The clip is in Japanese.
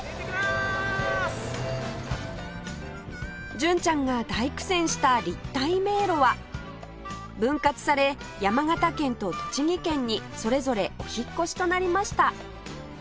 純ちゃんが大苦戦した立体迷路は分割され山形県と栃木県にそれぞれお引っ越しとなりました